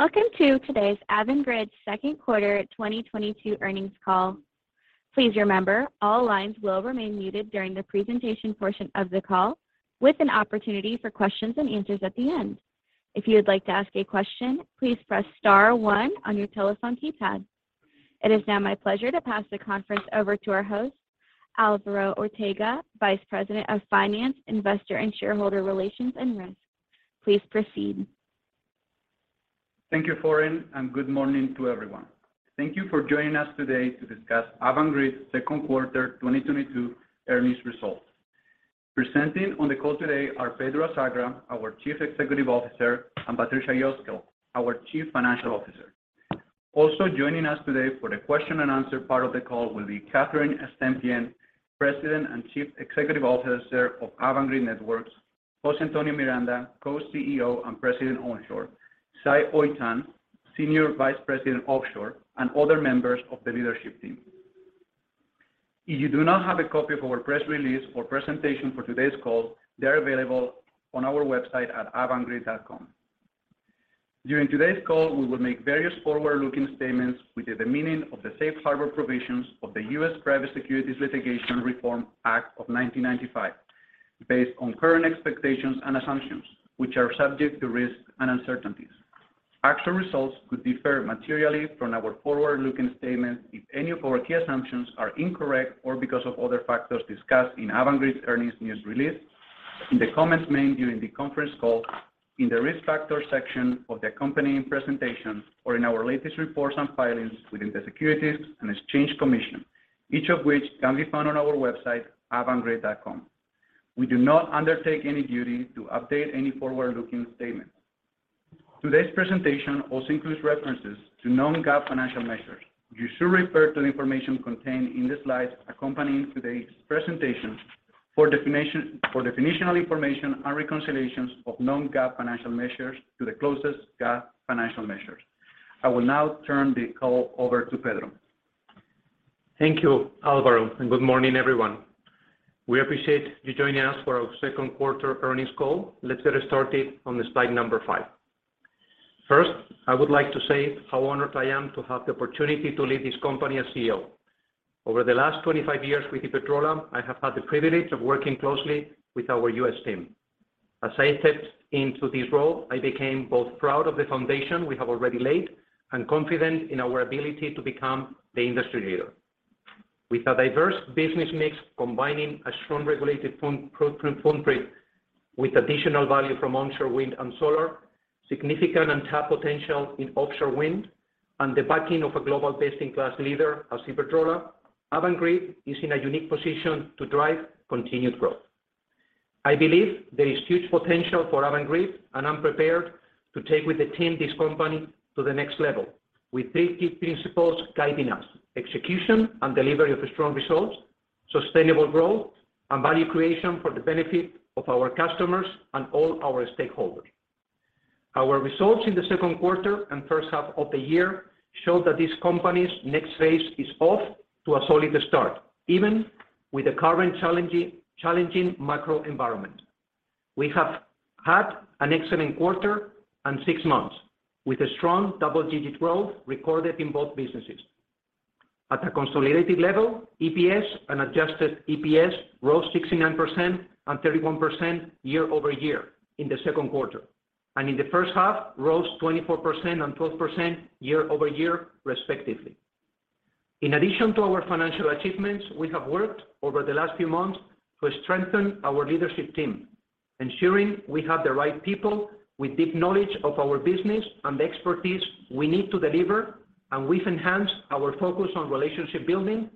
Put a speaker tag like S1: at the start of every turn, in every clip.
S1: Welcome to today's Avangrid Q2 2022 Earnings Call. Please remember, all lines will remain muted during the presentation portion of the call, with an opportunity for questions and answers at the end. If you would like to ask a question, please press star one on your telephone keypad. It is now my pleasure to pass the conference over to our host, Álvaro Ortega, Vice President of Finance, Investor & Shareholder Relations, and Risk. Please proceed.
S2: Thank you, Soren, and good morning to everyone. Thank you for joining us today to discuss Avangrid's Q2 2022 Earnings Results. Presenting on the call today are Pedro Azagra, our Chief Executive Officer, and Patricia Cosgel, our Chief Financial Officer. Also joining us today for the question-and-answer part of the call will be Catherine Stempien, President and Chief Executive Officer of Avangrid Networks, José Antonio Miranda, Co-CEO and President, Onshore, Sy Oytan, Senior Vice President, Offshore, and other members of the leadership team. If you do not have a copy of our press release or presentation for today's call, they are available on our website at avangrid.com. During today's call, we will make various forward-looking statements within the meaning of the safe harbor provisions of the U.S. Private Securities Litigation Reform Act of 1995, based on current expectations and assumptions, which are subject to risks and uncertainties. Actual results could differ materially from our forward-looking statements if any of our key assumptions are incorrect or because of other factors discussed in Avangrid's earnings news release, in the comments made during the conference call, in the Risk Factors section of the company presentation, or in our latest reports or filings with the Securities and Exchange Commission, each of which can be found on our website, avangrid.com. We do not undertake any duty to update any forward-looking statements. Today's presentation also includes references to non-GAAP financial measures. You should refer to the information contained in the slides accompanying today's presentation for definition, for definitional information and reconciliations of non-GAAP financial measures to the closest GAAP financial measures. I will now turn the call over to Pedro.
S3: Thank you, Álvaro, and good morning, everyone. We appreciate you joining us for our Q2 Earnings Call. Let's get started on the Slide number 5. First, I would like to say how honored I am to have the opportunity to lead this company as CEO. Over the last 25 years with Iberdrola, I have had the privilege of working closely with our U.S. team. As I stepped into this role, I became both proud of the foundation we have already laid and confident in our ability to become the industry leader. With a diverse business mix combining a strong regulated footprint with additional value from onshore wind and solar, significant untapped potential in offshore wind, and the backing of a global best-in-class leader, as Iberdrola, Avangrid is in a unique position to drive continued growth. I believe there is huge potential for Avangrid, and I'm prepared to take with the team this company to the next level, with three key principles guiding us, execution and delivery of strong results, sustainable growth, and value creation for the benefit of our customers and all our stakeholders. Our results in the Q2 and H1 of the year show that this company's next phase is off to a solid start, even with the current challenging macro environment. We have had an excellent quarter and six months, with a strong double-digit growth recorded in both businesses. At a consolidated level, EPS and adjusted EPS rose 69% and 31% year-over-year in the Q2, and in the H1 rose 24% and 12% year-over-year, respectively. In addition to our financial achievements, we have worked over the last few months to strengthen our leadership team, ensuring we have the right people with deep knowledge of our business and the expertise we need to deliver, and we've enhanced our focus on relationship building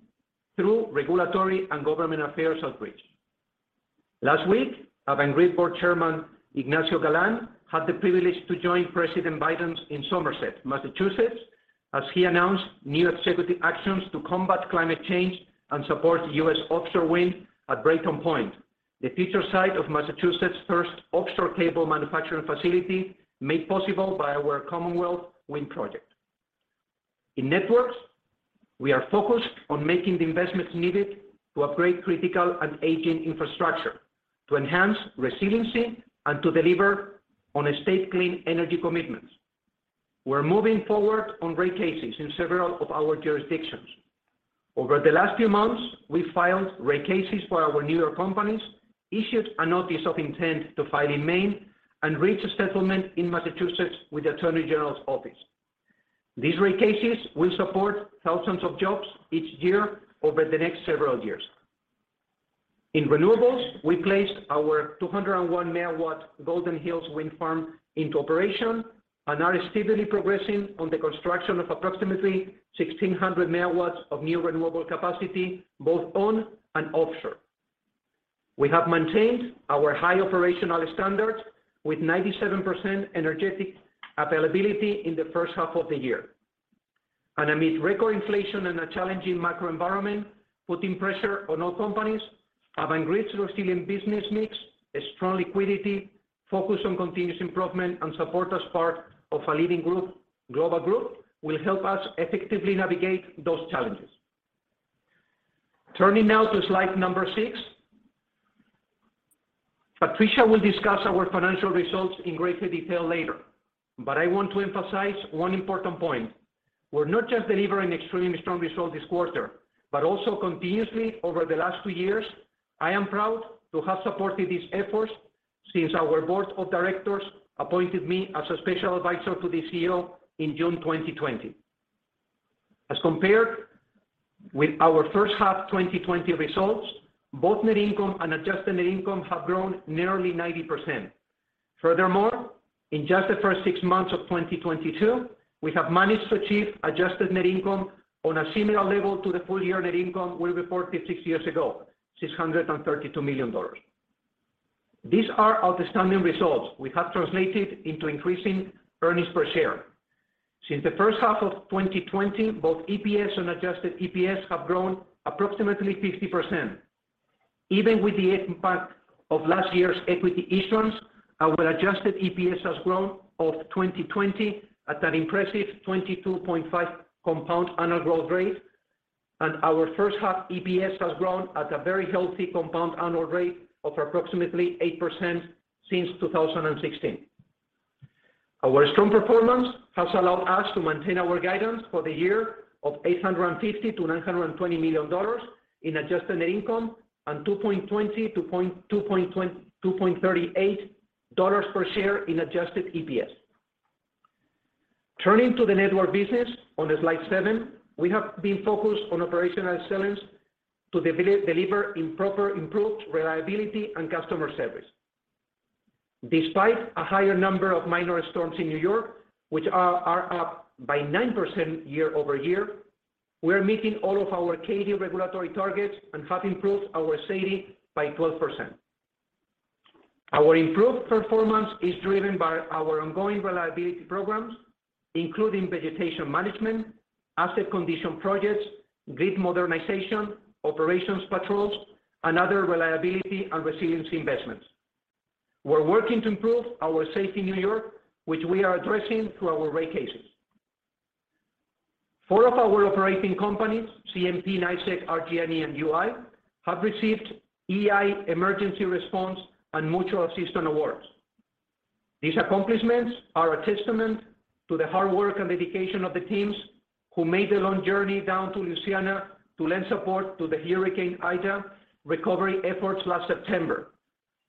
S3: through regulatory and government affairs outreach. Last week, Avangrid Board Chairman Ignacio Galán had the privilege to join President Biden in Somerset, Massachusetts, as he announced new executive actions to combat climate change and support U.S. offshore wind at Brayton Point, the future site of Massachusetts' first offshore cable manufacturing facility, made possible by our Commonwealth Wind project. In networks, we are focused on making the investments needed to upgrade critical and aging infrastructure, to enhance resiliency, and to deliver on a state clean energy commitment. We're moving forward on rate cases in several of our jurisdictions. Over the last few months, we filed rate cases for our New York companies, issued a notice of intent to file in Maine, and reached a settlement in Massachusetts with the Attorney General's office. These rate cases will support thousands of jobs each year over the next several years. In renewables, we placed our 201-MW Golden Hills Wind Farm into operation and are steadily progressing on the construction of approximately 1,600 MW of new renewable capacity, both on and offshore. We have maintained our high operational standards with 97% energetic availability in the H1 of the year. Amid record inflation and a challenging macro environment, putting pressure on all companies, Avangrid's resilient business mix, a strong liquidity, focus on continuous improvement, and support as part of a leading group, global group, will help us effectively navigate those challenges. Turning now to Slide number 6. Patricia will discuss our financial results in greater detail later. I want to emphasize one important point. We're not just delivering extremely strong results this quarter, but also continuously over the last two years. I am proud to have supported these efforts since our board of directors appointed me as a special advisor to the CEO in June 2020. As compared with our H1 2020 results, both net income and adjusted net income have grown nearly 90%. Furthermore, in just the first six months of 2022, we have managed to achieve adjusted net income on a similar level to the FY net income we reported six years ago, $632 million. These are outstanding results we have translated into increasing earnings per share. Since the H1 of 2020, both EPS and adjusted EPS have grown approximately 50%. Even with the impact of last year's equity issuance, our adjusted EPS has grown from 2020 at an impressive 22.5 compound annual growth rate. Our H1 EPS has grown at a very healthy compound annual rate of approximately 8% since 2016. Our strong performance has allowed us to maintain our guidance for the year of $850 million-$920 million in adjusted net income and $2.20-$2.38 per share in adjusted EPS. Turning to the network business on Slide 7, we have been focused on operational excellence to deliver improved reliability and customer service. Despite a higher number of minor storms in New York, which are up by 9% year-over-year, we are meeting all of our CAIDI regulatory targets and have improved our safety by 12%. Our improved performance is driven by our ongoing reliability programs, including vegetation management, asset condition projects, grid modernization, operations patrols, and other reliability and resiliency investments. We're working to improve our safety in New York, which we are addressing through our rate cases. Four of our operating companies, CMP, NYSEG, RG&E, and UI, have received EEI Emergency Response and Mutual Assistance Awards. These accomplishments are a testament to the hard work and dedication of the teams who made the long journey down to Louisiana to lend support to the Hurricane Ida recovery efforts last September.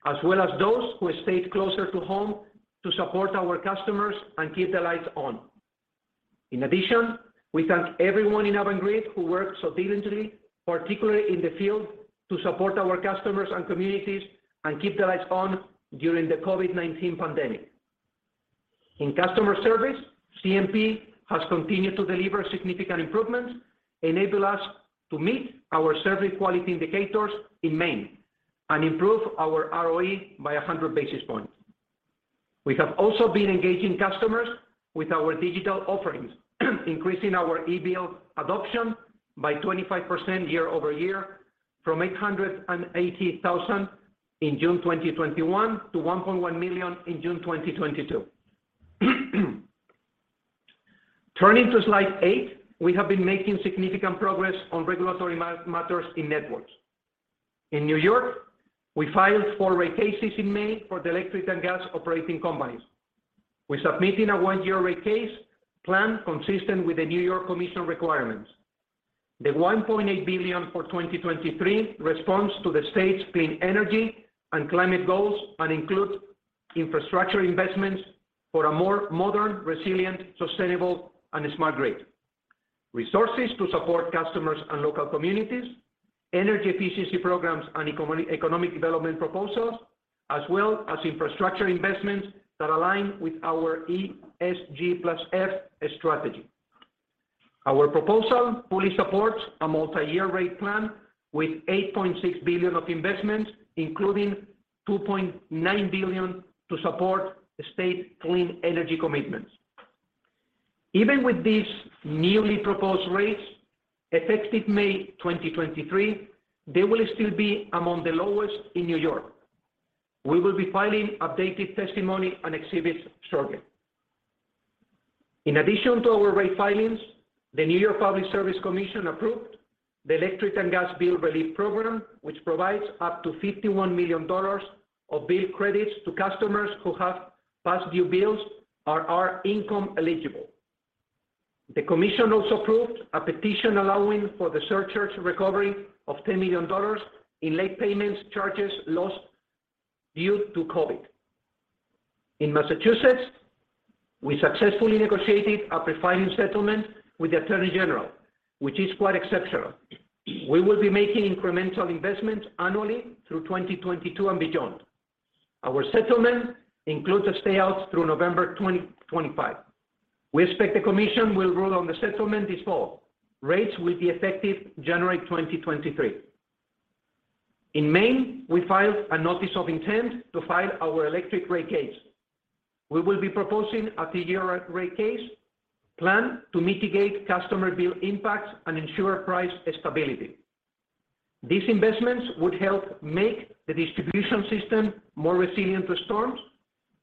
S3: As well as those who have stayed closer to home to support our customers and keep the lights on. In addition, we thank everyone in Avangrid who worked so diligently, particularly in the field, to support our customers and communities and keep the lights on during the COVID-19 pandemic. In customer service, CMP has continued to deliver significant improvements, enable us to meet our service quality indicators in Maine, and improve our ROE by 100 basis points. We have also been engaging customers with our digital offerings, increasing our e-bill adoption by 25% year-over-year from 880,000 in June 2021 to 1.1 million in June 2022. Turning to Slide 8, we have been making significant progress on regulatory matters in networks. In New York, we filed four rate cases in May for the electric and gas operating companies. We're submitting a one-year rate case plan consistent with the New York Commission requirements. The $1.8 billion for 2023 responds to the state's clean energy and climate goals and includes infrastructure investments for a more modern, resilient, sustainable, and a smart grid. Resources to support customers and local communities, energy efficiency programs and economic development proposals, as well as infrastructure investments that align with our ESG+F strategy. Our proposal fully supports a multi-year rate plan with $8.6 billion of investments, including $2.9 billion to support the state clean energy commitments. Even with these newly proposed rates effective May 2023, they will still be among the lowest in New York. We will be filing updated testimony and exhibits shortly. In addition to our rate filings, the New York Public Service Commission approved the Electric and Gas Bill Relief Program, which provides up to $51 million of bill credits to customers who have past due bills or are income eligible. The commission also approved a petition allowing for the surcharge recovery of $10 million in late payments charges lost due to COVID. In Massachusetts, we successfully negotiated a pre-filing settlement with the Attorney General, which is quite exceptional. We will be making incremental investments annually through 2022 and beyond. Our settlement includes a stay out through November 2025. We expect the commission will rule on the settlement this fall. Rates will be effective January 2023. In Maine, we filed a notice of intent to file our electric rate case. We will be proposing a three-year rate case plan to mitigate customer bill impacts and ensure price stability. These investments would help make the distribution system more resilient to storms,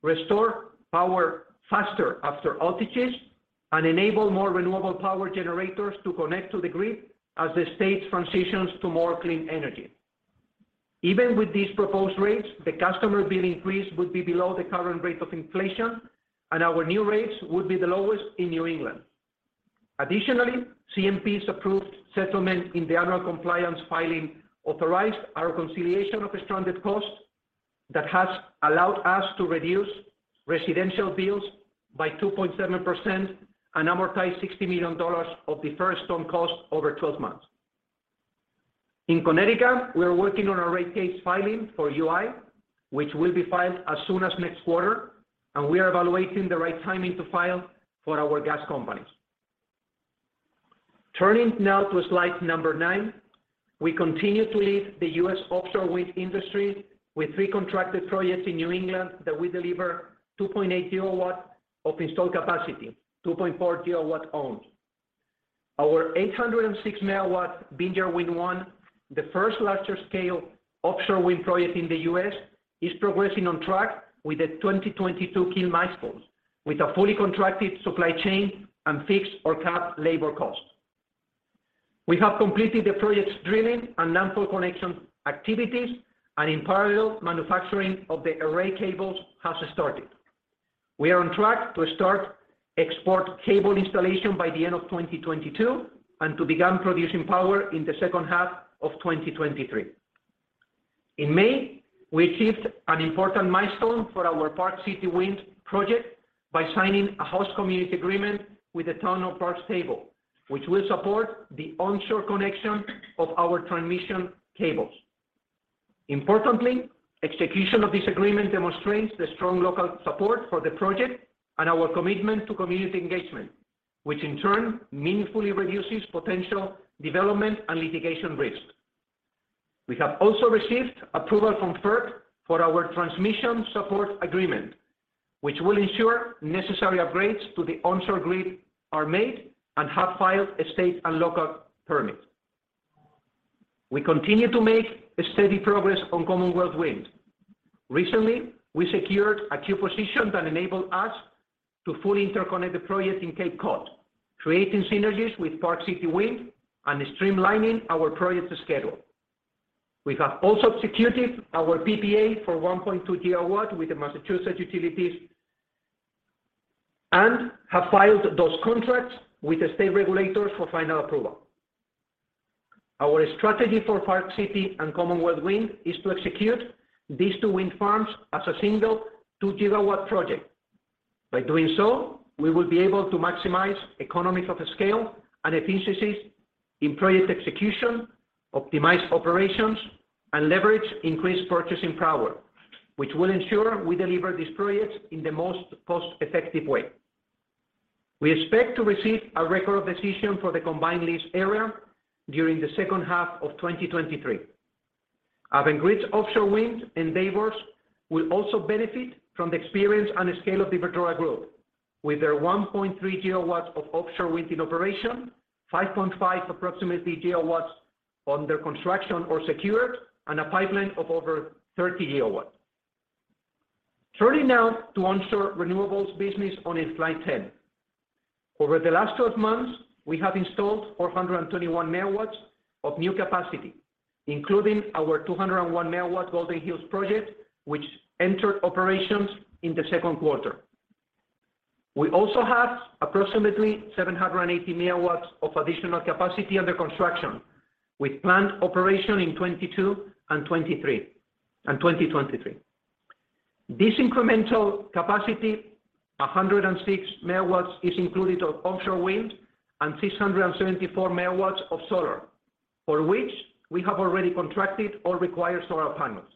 S3: restore power faster after outages and enable more renewable power generators to connect to the grid as the state transitions to more clean energy. Even with these proposed rates, the customer bill increase would be below the current rate of inflation, and our new rates would be the lowest in New England. Additionally, CMP's approved settlement in the annual compliance filing authorized our reconciliation of stranded costs that has allowed us to reduce residential bills by 2.7% and amortize $60 million of the first term costs over twelve months. In Connecticut, we are working on our rate case filing for UI, which will be filed as soon as next quarter, and we are evaluating the right timing to file for our gas companies. Turning now to Slide 9. We continue to lead the U.S. offshore wind industry with three contracted projects in New England that will deliver 2.8 gigawatts of installed capacity, 2.4 gigawatts owned. Our 806-megawatt Vineyard Wind 1, the first larger-scale offshore wind project in the U.S., is progressing on track with a 2022 key milestone, with a fully contracted supply chain and fixed or capped labor costs. We have completed the project's drilling and landfall connection activities, and in parallel, manufacturing of the array cables has started. We are on track to start export cable installation by the end of 2022 and to begin producing power in the H2 of 2023. In May, we achieved an important milestone for our Park City Wind project by signing a host community agreement with the Town of Barnstable, which will support the onshore connection of our transmission cables. Importantly, execution of this agreement demonstrates the strong local support for the project and our commitment to community engagement, which in turn meaningfully reduces potential development and litigation risk. We have also received approval from FERC for our transmission support agreement, which will ensure necessary upgrades to the onshore grid are made and have filed state and local permits. We continue to make steady progress on Commonwealth Wind. Recently, we secured a key position that enabled us to fully interconnect the project in Cape Cod, creating synergies with Park City Wind and streamlining our project schedule. We have also executed our PPA for 1.2 gigawatts with the Massachusetts utilities and have filed those contracts with the state regulators for final approval. Our strategy for Park City and Commonwealth Wind is to execute these two wind farms as a single 2-gigawatt project. By doing so, we will be able to maximize economies of scale and efficiencies in project execution, optimize operations, and leverage increased purchasing power, which will ensure we deliver these projects in the most cost-effective way. We expect to receive a record decision for the combined lease area during the H2 of 2023. Avangrid's offshore wind endeavors will also benefit from the experience and scale of the Iberdrola Group, with their 1.3 gigawatts of offshore wind in operation, approximately 5.5 gigawatts under construction or secured, and a pipeline of over 30 gigawatts. Turning now to onshore renewables business on Slide 10. Over the last 12 months, we have installed 421 megawatts of new capacity, including our 201-megawatt Golden Hills project, which entered operations in the Q2. We also have approximately 780 megawatts of additional capacity under construction, with planned operation in 2022 and 2023. This incremental capacity includes 106 megawatts of offshore wind and 674 megawatts of solar, for which we have already contracted or procured solar panels.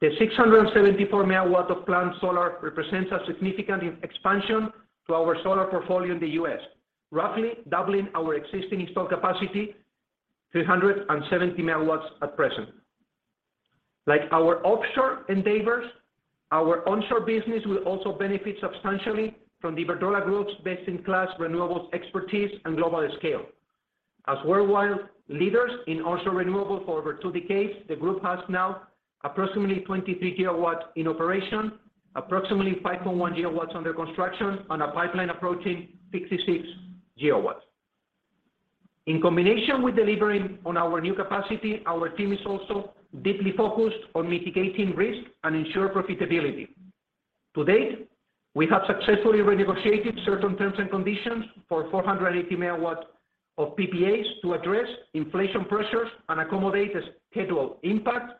S3: The 674 megawatts of planned solar represents a significant expansion to our solar portfolio in the U.S., roughly doubling our existing installed capacity, 370 megawatts at present. Like our offshore endeavors, our onshore business will also benefit substantially from the Iberdrola Group's best-in-class renewables expertise and global scale. As worldwide leaders in offshore renewables for over two decades, the group has now approximately 23 gigawatts in operation, approximately 5.1 gigawatts under construction, and a pipeline approaching 66 gigawatts. In combination with delivering on our new capacity, our team is also deeply focused on mitigating risk and ensure profitability. To date, we have successfully renegotiated certain terms and conditions for 480 megawatts of PPAs to address inflation pressures and accommodate the schedule impact.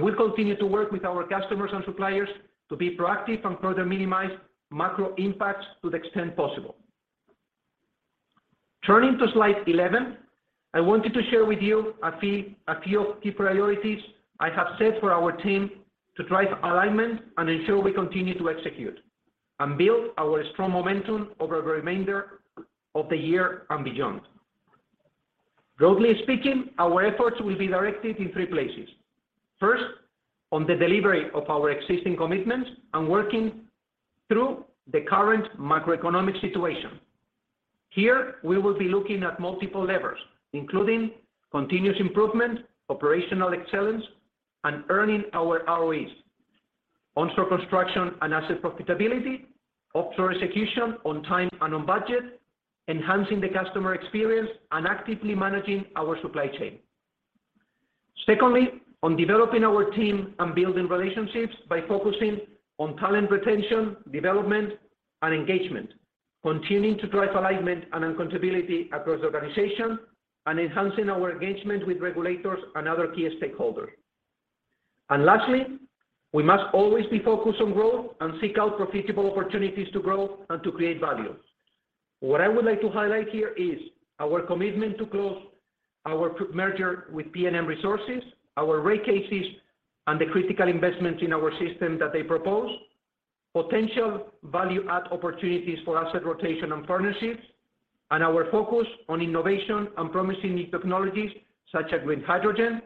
S3: We continue to work with our customers and suppliers to be proactive and further minimize macro impacts to the extent possible. Turning to Slide 11, I wanted to share with you a few key priorities I have set for our team to drive alignment and ensure we continue to execute and build our strong momentum over the remainder of the year and beyond. Broadly speaking, our efforts will be directed in three places. First, on the delivery of our existing commitments and working through the current macroeconomic situation. Here we will be looking at multiple levers, including continuous improvement, operational excellence, and earning our ROEs, onshore construction and asset profitability, offshore execution on time and on budget, enhancing the customer experience, and actively managing our supply chain. Secondly, on developing our team and building relationships by focusing on talent retention, development and engagement, continuing to drive alignment and accountability across the organization, and enhancing our engagement with regulators and other key stakeholders. Lastly, we must always be focused on growth and seek out profitable opportunities to grow and to create value. What I would like to highlight here is our commitment to close our merger with PNM Resources, our rate cases, and the critical investments in our system that they propose. Potential value-add opportunities for asset rotation and renewables, and our focus on innovation and promising new technologies such as green hydrogen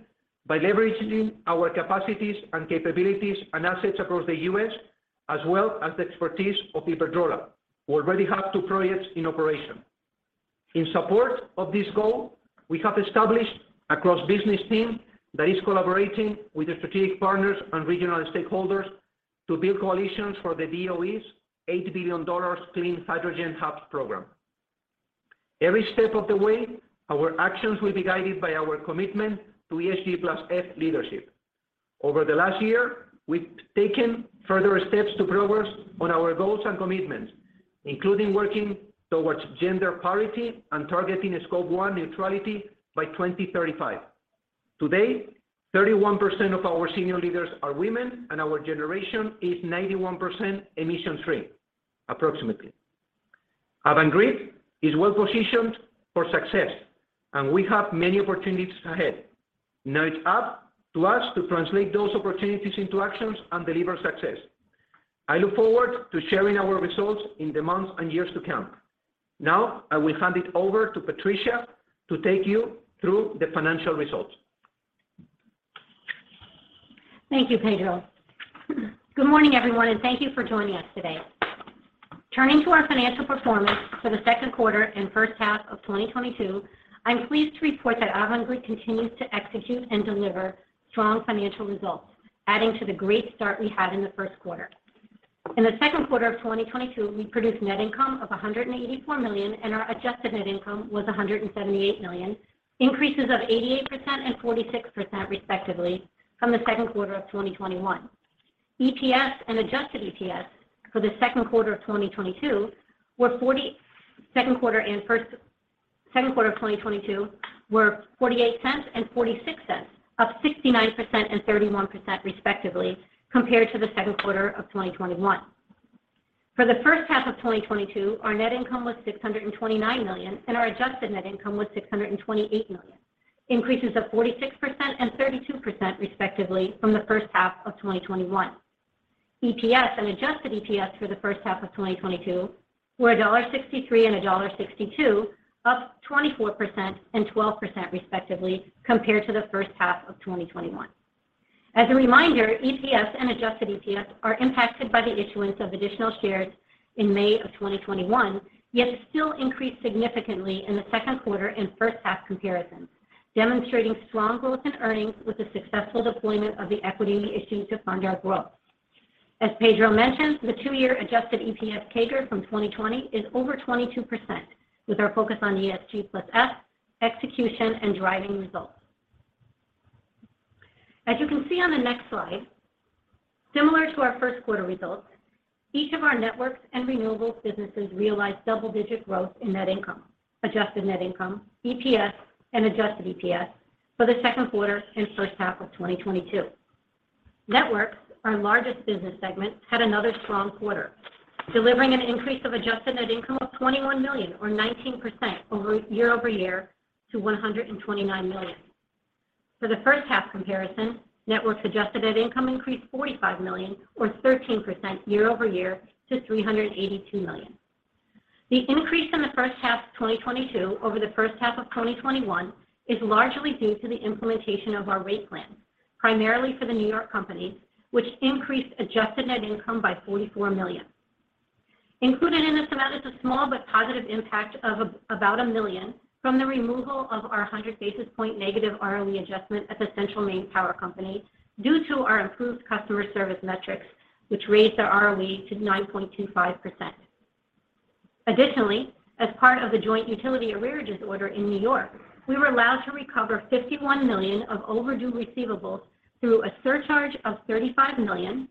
S3: by leveraging our capacities and capabilities and assets across the U.S. as well as the expertise of Iberdrola, who already have two projects in operation. In support of this goal, we have established a cross-business team that is collaborating with the strategic partners and regional stakeholders to build coalitions for the DOE's $80 billion clean hydrogen hubs program. Every step of the way, our actions will be guided by our commitment to ESG+F leadership. Over the last year, we've taken further steps to progress on our goals and commitments, including working towards gender parity and targeting scope one neutrality by 2035. Today, 31% of our senior leaders are women, and our generation is 91% emission free, approximately. Avangrid is well-positioned for success, and we have many opportunities ahead. Now it's up to us to translate those opportunities into actions and deliver success. I look forward to sharing our results in the months and years to come. Now, I will hand it over to Patricia to take you through the financial results.
S4: Thank you, Pedro. Good morning, everyone, and thank you for joining us today. Turning to our financial performance for the Q2 and H1 of 2022, I'm pleased to report that Avangrid continues to execute and deliver strong financial results, adding to the great start we had in the Q1. In the Q2 of 2022, we produced net income of $184 million, and our adjusted net income was $178 million. Increases of 88% and 46% respectively from the Q2 of 2021. EPS and adjusted EPS for the Q2 of 2022 were $0.48 and $0.46, up 69% and 31% respectively, compared to the Q2 of 2021. For the H1 of 2022, our net income was $629 million, and our adjusted net income was $628 million. Increases of 46% and 32% respectively from the H1 of 2021. EPS and adjusted EPS for the H1 of 2022 were $1.63 and $1.62, up 24% and 12% respectively, compared to the H1 of 2021. As a reminder, EPS and adjusted EPS are impacted by the issuance of additional shares in May 2021, yet still increased significantly in the Q2 and H1 comparisons, demonstrating strong growth in earnings with the successful deployment of the equity we issued to fund our growth. As Pedro mentioned, the two-year adjusted EPS CAGR from 2020 is over 22%, with our focus on ESG+F execution, and driving results. As you can see on the next slide, similar to our Q1 results, each of our networks and renewables businesses realized double-digit growth in net income, adjusted net income, EPS and adjusted EPS for the Q2 and H1 of 2022. Networks, our largest business segment, had another strong quarter, delivering an increase of adjusted net income of $21 million or 19% year-over-year to $129 million. For the H1 comparison, Networks adjusted net income increased $45 million or 13% year-over-year to $382 million. The increase in the H1 of 2022 over the H1 of 2021 is largely due to the implementation of our rate plan, primarily for the New York company, which increased adjusted net income by $44 million. Included in this amount is a small but positive impact of about $1 million from the removal of our 100 basis point negative ROE adjustment at the Central Maine Power Company due to our improved customer service metrics, which raised our ROE to 9.25%. Additionally, as part of a joint utility arrearages order in New York, we were allowed to recover $51 million of overdue receivables through a surcharge of $35 million,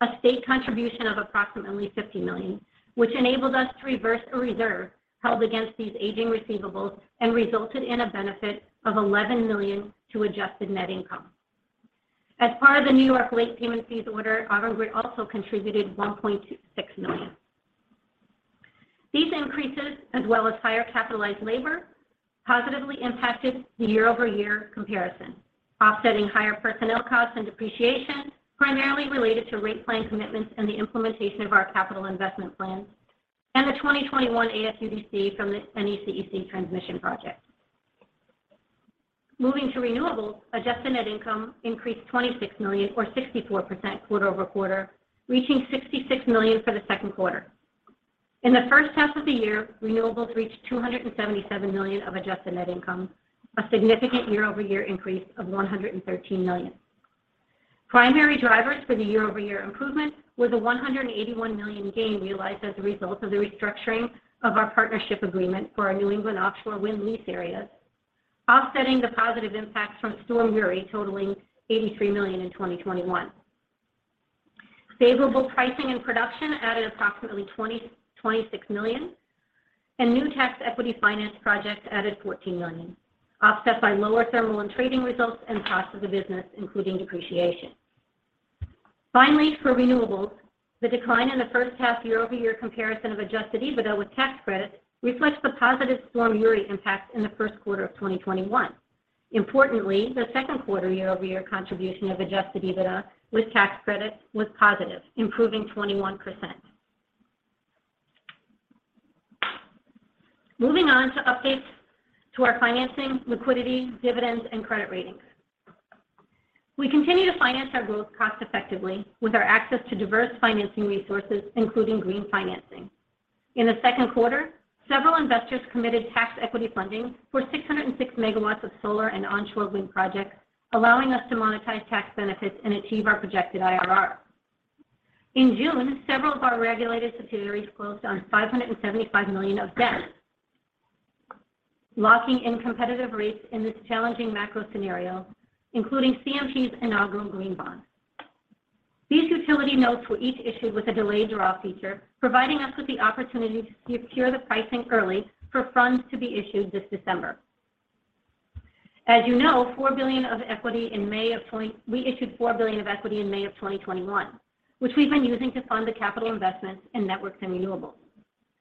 S4: a state contribution of approximately $50 million, which enabled us to reverse a reserve held against these aging receivables and resulted in a benefit of $11 million to adjusted net income. As part of the New York late payment fees order, Avangrid also contributed $1.6 million. These increases, as well as higher capitalized labor, positively impacted the year-over-year comparison, offsetting higher personnel costs and depreciation, primarily related to rate plan commitments and the implementation of our capital investment plan, and the 2021 AFUDC from the NECEC transmission project. Moving to renewables, adjusted net income increased $26 million or 64% quarter-over-quarter, reaching $66 million for the Q2. In the H1 of the year, renewables reached $277 million of adjusted net income, a significant year-over-year increase of $113 million. Primary drivers for the year-over-year improvement was a $181 million gain realized as a result of the restructuring of our partnership agreement for our New England offshore wind lease areas, offsetting the positive impacts from Winter Storm Uri totaling $83 million in 2021. Favorable pricing and production added approximately $26 million. New tax equity finance projects added $14 million, offset by lower thermal and trading results and costs of the business, including depreciation. Finally, for renewables, the decline in the H1 year-over-year comparison of adjusted EBITDA with tax credits reflects the positive Winter Storm Uri impact in the Q1 of 2021. Importantly, the Q2 year-over-year contribution of adjusted EBITDA with tax credits was positive, improving 21%. Moving on to updates to our financing, liquidity, dividends, and credit ratings. We continue to finance our growth cost effectively with our access to diverse financing resources, including green financing. In the Q2, several investors committed tax equity funding for 606 MW of solar and onshore wind projects, allowing us to monetize tax benefits and achieve our projected IRR. In June, several of our regulated subsidiaries closed on $575 million of debt, locking in competitive rates in this challenging macro scenario, including CMP's Inaugural Green Bond. These utility notes were each issued with a delayed draw feature, providing us with the opportunity to secure the pricing early for funds to be issued this December. As you know, we issued $4 billion of equity in May of 2021, which we've been using to fund the capital investments in networks and renewables.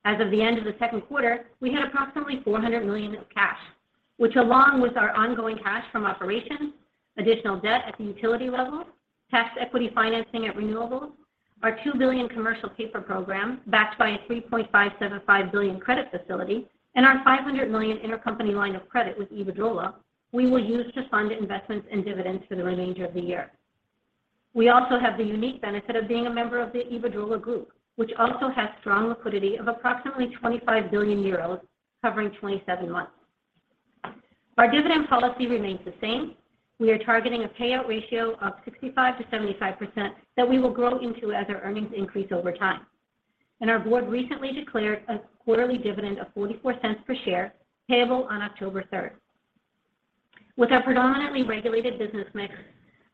S4: As of the end of the Q2, we had approximately $400 million of cash, which along with our ongoing cash from operations, additional debt at the utility level, tax equity financing at renewables, our $2 billion commercial paper program backed by a $3.575 billion credit facility, and our $500 million intercompany line of credit with Iberdrola, we will use to fund investments and dividends for the remainder of the year. We also have the unique benefit of being a member of the Iberdrola Group, which also has strong liquidity of approximately 25 billion euros covering 27 months. Our dividend policy remains the same. We are targeting a payout ratio of 65%-75% that we will grow into as our earnings increase over time. Our board recently declared a quarterly dividend of $0.44 per share payable on October third. With our predominantly regulated business mix,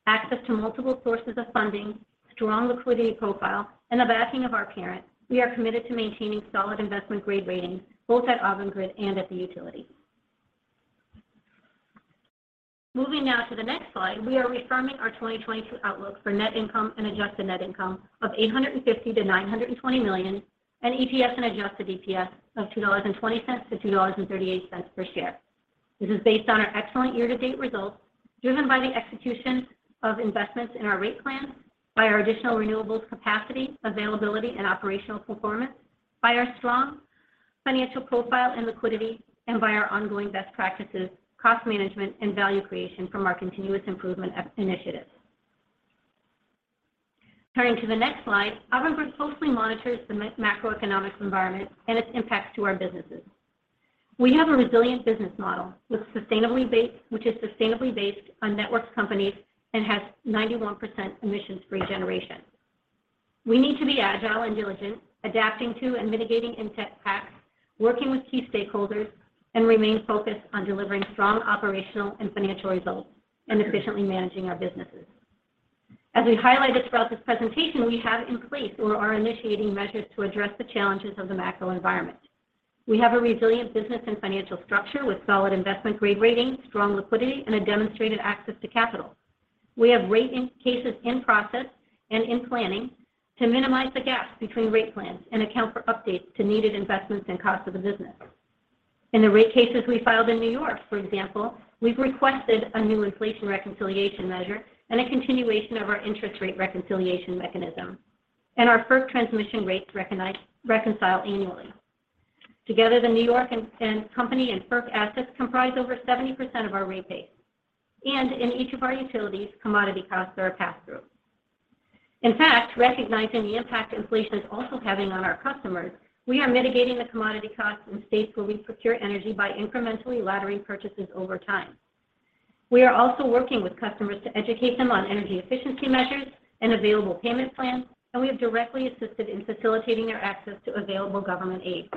S4: access to multiple sources of funding, strong liquidity profile, and the backing of our parent, we are committed to maintaining solid investment-grade ratings both at Avangrid and at the utility. Moving now to the next slide. We are reaffirming our 2022 outlook for net income and adjusted net income of $850 million-$920 million and EPS and adjusted EPS of $2.20-$2.38 per share. This is based on our excellent year-to-date results driven by the execution of investments in our rate plan by our additional renewables capacity, availability and operational performance, by our strong financial profile and liquidity, and by our ongoing best practices, cost management, and value creation from our continuous improvement initiatives. Turning to the next slide. Avangrid closely monitors the macroeconomic environment and it's impacts to our businesses. We have a resilient business model which is sustainably based on networks companies and has 91% emissions-free generation. We need to be agile and diligent, adapting to and mitigating impact, working with key stakeholders, and remain focused on delivering strong operational and financial results and efficiently managing our businesses. As we highlighted throughout this presentation, we have in place or are initiating measures to address the challenges of the macro environment. We have a resilient business and financial structure with solid investment-grade ratings, strong liquidity, and a demonstrated access to capital. We have rate increase cases in process and in planning to minimize the gaps between rate plans and account for updates to needed investments and cost of the business. In the rate cases we filed in New York, for example, we've requested a new inflation reconciliation measure and a continuation of our interest rate reconciliation mechanism, and our FERC transmission rates reconcile annually. Together, the New York and company and FERC assets comprise over 70% of our rate base. In each of our utilities, commodity costs are passed through. In fact, recognizing the impact inflation is also having on our customers, we are mitigating the commodity costs in states where we procure energy by incrementally laddering purchases over time. We are also working with customers to educate them on energy efficiency measures and available payment plans, and we have directly assisted in facilitating their access to available government aid.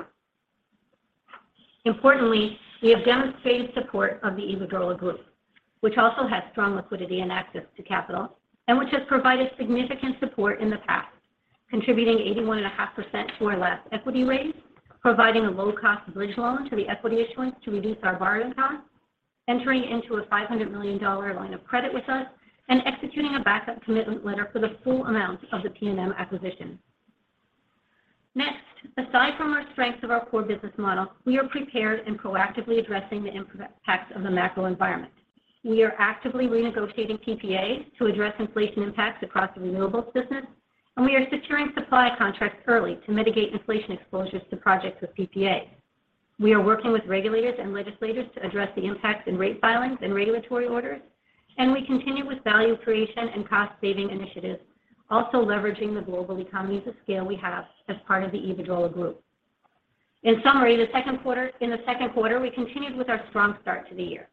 S4: Importantly, we have demonstrated support of the Iberdrola Group, which also has strong liquidity and access to capital and which has provided significant support in the past, contributing 81.5% to our last equity raise, providing a low-cost bridge loan to the equity issuance to reduce our borrowing costs, entering into a $500 million line of credit with us, and executing a backup commitment letter for the full amount of the PNM acquisition. Next, aside from our strengths of our core business model, we are prepared and proactively addressing the impacts of the macro environment. We are actively renegotiating PPAs to address inflation impacts across the renewables business. We are securing supply contracts early to mitigate inflation exposures to projects with PPAs. We are working with regulators and legislators to address the impact in rate filings and regulatory orders. We continue with value creation and cost saving initiatives, also leveraging the global economies of scale we have as part of the Iberdrola Group. In summary, in the Q2, we continued with our strong start to the year.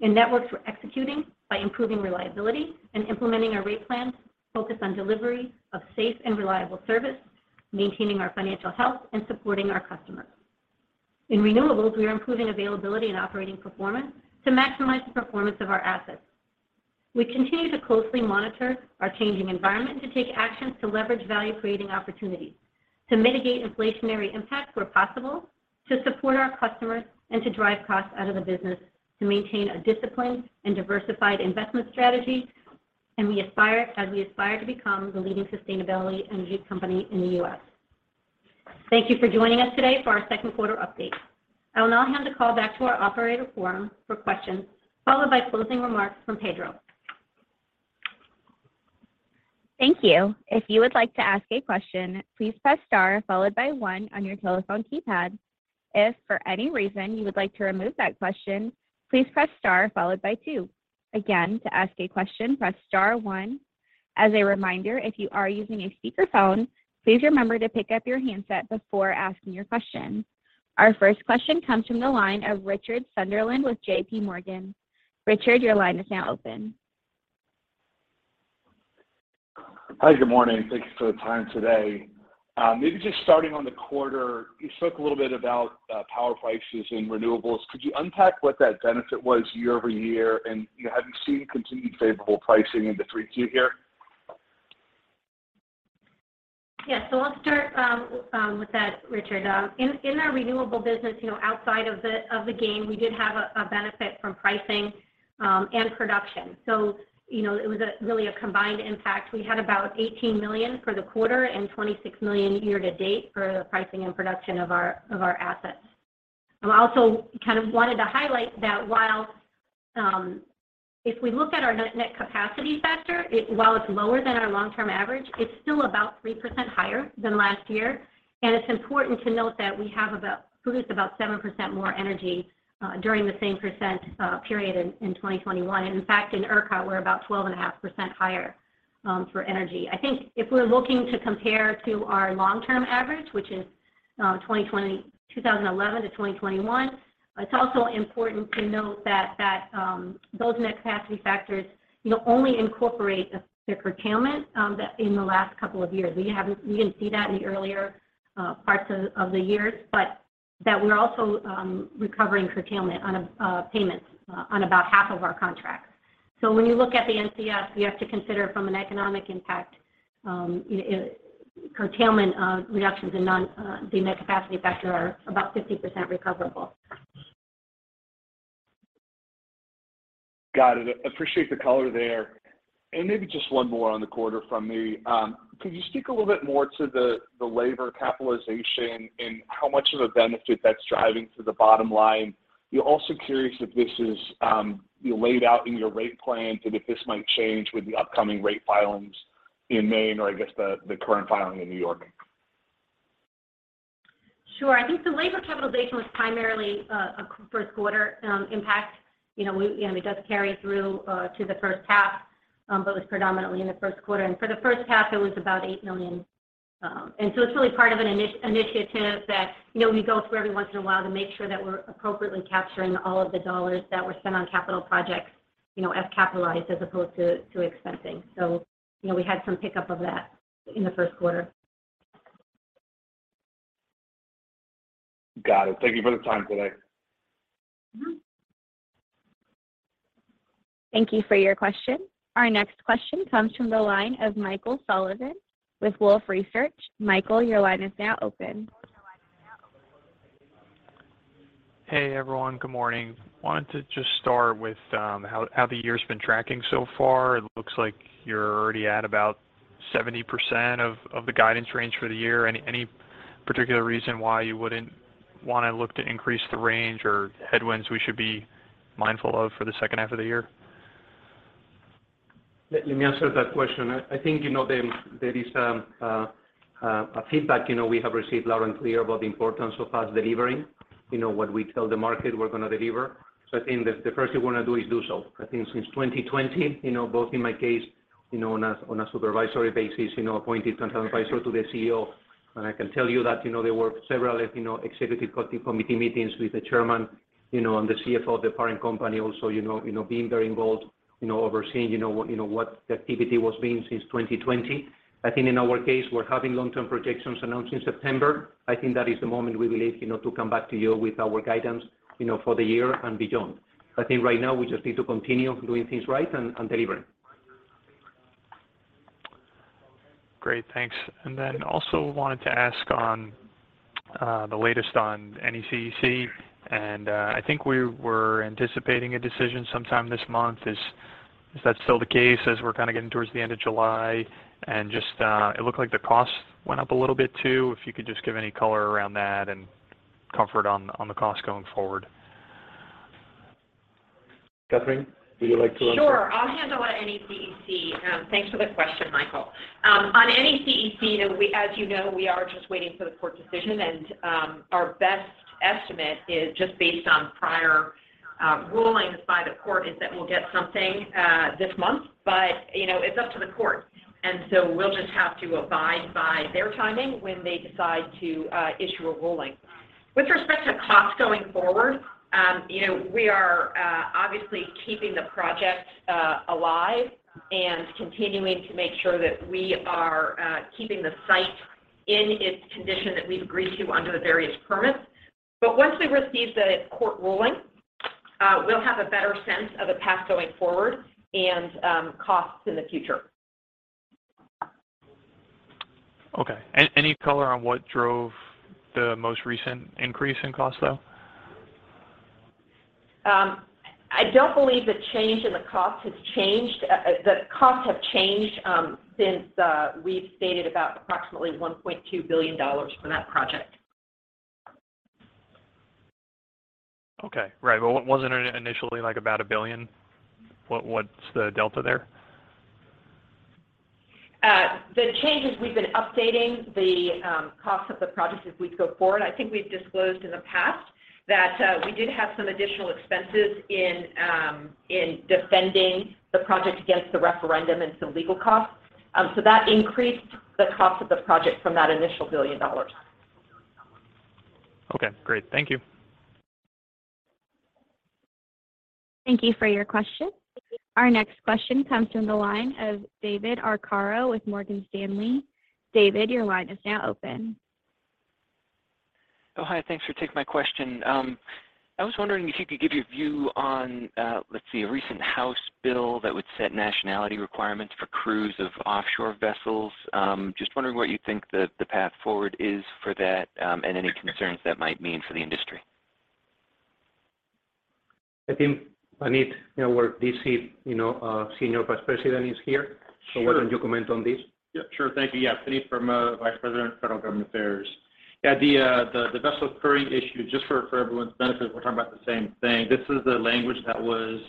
S4: In networks, we're executing by improving reliability and implementing our rate plans focused on delivery of safe and reliable service, maintaining our financial health, and supporting our customers. In renewables, we are improving availability and operating performance to maximize the performance of our assets. We continue to closely monitor our changing environment and to take actions to leverage value-creating opportunities, to mitigate inflationary impacts where possible, to support our customers, and to drive costs out of the business to maintain a disciplined and diversified investment strategy, as we aspire to become the leading sustainable energy company in the U.S. Thank you for joining us today for our Q2 update. I will now hand the call back to our operator for more questions, followed by closing remarks from Pedro.
S1: Thank you. If you would like to ask a question, please press star followed by one on your telephone keypad. If for any reason you would like to remove that question, please press star followed by two. Again, to ask a question, press star one. As a reminder, if you are using a speakerphone, please remember to pick up your handset before asking your question. Our first question comes from the line of Richard Sunderland with JPMorgan. Richard, your line is now open.
S5: Hi. Good morning. Thank you for the time today. Maybe just starting on the quarter, you spoke a little bit about power prices in renewables. Could you unpack what that benefit was year-over-year? Have you seen continued favorable pricing in the 3Q here?
S4: Yes. I'll start with that, Richard. In our renewable business, you know, outside of the gain, we did have a benefit from pricing and production. You know, it was really a combined impact. We had about $18 million for the quarter and $26 million year-to-date for the pricing and production of our assets. I also kind of wanted to highlight that while if we look at our net capacity factor, while it's lower than our long-term average, it's still about 3% higher than last year. It's important to note that we produced about 7% more energy during the same period in 2021. In fact, in ERCOT, we're about 12.5% higher for energy. I think if we're looking to compare to our long-term average, which is 2011 to 2021, it's also important to note that those net capacity factors, you know, only incorporate the curtailment that in the last couple of years. We didn't see that in the earlier parts of the years, but that we're also recovering curtailment on payments on about half of our contracts. When you look at the NECEC, you have to consider from an economic impact, curtailment reductions in the net capacity factor are about 50% recoverable.
S5: Got it. Appreciate the color there. Maybe just one more on the quarter from me. Could you speak a little bit more to the labor capitalization and how much of a benefit that's driving to the bottom line? I'm also curious if this is as you laid out in your rate plan and if this might change with the upcoming rate filings in Maine or I guess the current filing in New York.
S4: Sure. I think the labor capitalization was primarily a Q1 impact. You know, it does carry through to the H1, but was predominantly in the Q1. For the H1, it was about $8 million. It's really part of an initiative that, you know, we go through every once in a while to make sure that we're appropriately capturing all of the dollars that were spent on capital projects, you know, as capitalized as opposed to expensing. You know, we had some pickup of that in the Q1.
S5: Got it. Thank you for the time today.
S4: Mm-hmm.
S1: Thank you for your question. Our next question comes from the line of Michael Sullivan with Wolfe Research. Michael, your line is now open.
S6: Hey, everyone. Good morning. Wanted to just start with how the year's been tracking so far. It looks like you're already at about 70% of the guidance range for the year. Any particular reason why you wouldn't want to look to increase the range or headwinds we should be mindful of for the H2 of the year?
S3: Let me answer that question. I think, you know, there is a feedback, you know, we have received loud and clear about the importance of us delivering, you know, what we tell the market we're going to deliver. I think the first thing we want to do is do so. I think since 2020, you know, both in my case, you know, on a supervisory basis, you know, appointed consultant advisor to the CEO. I can tell you that, you know, there were several, you know, executive committee meetings with the Chairman, you know, and the CFO of the parent company also, you know, being very involved, you know, overseeing, you know, what the activity was being since 2020. I think in our case, we're having long-term projections announced in September. I think that is the moment we will like, you know, to come back to you with our guidance, you know, for the year and beyond. I think right now we just need to continue doing things right and delivering.
S6: Great. Thanks. Also wanted to ask on the latest on NECEC. I think we were anticipating a decision sometime this month. Is that still the case as we're kind of getting towards the end of July? It looked like the cost went up a little bit too. If you could just give any color around that and comfort on the cost going forward.
S3: Catherine, would you like to answer?
S7: Sure. I'll handle NECEC, thanks for the question, Michael. On NECEC, you know, as you know, we are just waiting for the court decision, and our best estimate is just based on prior rulings by the court, is that we'll get something this month. You know, it's up to the court, and so we'll just have to abide by their timing when they decide to issue a ruling. With respect to costs going forward, you know, we are obviously keeping the project alive and continuing to make sure that we are keeping the site in it's condition that we've agreed to under the various permits. Once we receive the court ruling, we'll have a better sense of the path going forward and costs in the future.
S6: Any color on what drove the most recent increase in cost, though?
S7: I don't believe the change in the cost has changed. The costs have changed since we've stated about approximately $1.2 billion for that project.
S6: Okay. Right. Well, wasn't it initially, like, about $1 billion? What's the delta there?
S7: The changes, we've been updating the cost of the project as we go forward. I think we've disclosed in the past that we did have some additional expenses in defending the project against the referendum and some legal costs. That increased the cost of the project from that initial $1 billion.
S6: Okay, great. Thank you.
S1: Thank you for your question. Our next question comes from the line of David Arcaro with Morgan Stanley. David, your line is now open.
S8: Oh, hi. Thanks for taking my question. I was wondering if you could give your view on, let's see, a recent House bill that would set nationality requirements for crews of offshore vessels. Just wondering what you think the path forward is for that, and any concerns that might mean for the industry.
S3: I think, Puneet, you know, our D.C. Senior Vice President is here.
S9: Sure.
S3: Why don't you comment on this?
S9: Yeah, sure. Thank you. Yeah. Puneet Verma, Vice President of Federal Government Affairs. Yeah, the vessel crewing issue, just for everyone's benefit, we're talking about the same thing. This is the language that was